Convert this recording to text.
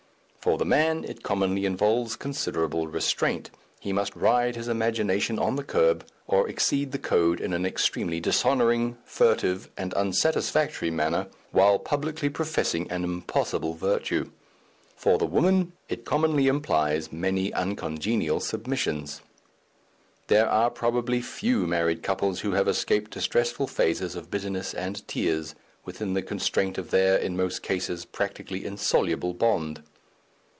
For the man it commonly involves considerable restraint; he must ride his imagination on the curb, or exceed the code in an extremely dishonouring, furtive, and unsatisfactory manner while publicly professing an impossible virtue; for the woman it commonly implies many uncongenial submissions. There are probably few married couples who have escaped distressful phases of bitterness and tears, within the constraint of their, in most cases, practically insoluble bond.